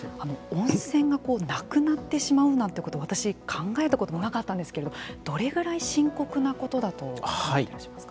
温泉がなくなってしまうなんてこと私考えたこともなかったんですけれどどれぐらい深刻なことだと感じてらっしゃいますか。